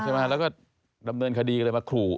แล้วก็ดำเนินคดีเลยมาขู่